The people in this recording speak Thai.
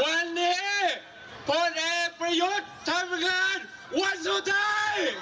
วันนี้พลเอกประยุทธ์ทำงานวันสุดท้าย